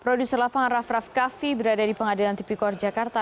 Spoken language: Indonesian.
produser lapangan raff raff kaffi berada di pengadilan tipikor jakarta